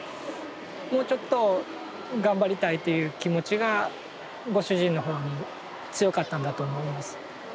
もうちょっと頑張りたいという気持ちがご主人の方にも強かったんだと思います。